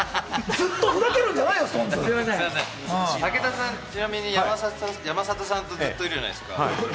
武田さん、ちなみに山里さんとやってるじゃないですか。